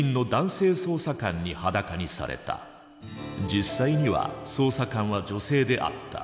実際には捜査官は女性であった。